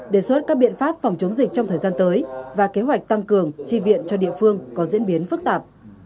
đề xuất các biện pháp phòng chống dịch trong thời gian tới và kế hoạch tăng cường tri viện cho địa phương có diễn biến phức tạp